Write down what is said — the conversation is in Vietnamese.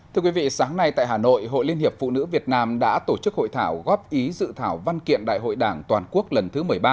thưa quý vị sáng nay tại hà nội hội liên hiệp phụ nữ việt nam đã tổ chức hội thảo góp ý dự thảo văn kiện đại hội đảng toàn quốc lần thứ một mươi ba